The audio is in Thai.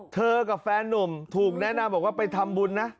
กับแฟนนุ่มถูกแนะนำบอกว่าไปทำบุญนะ